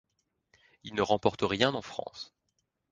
Il ne remporte rien en France.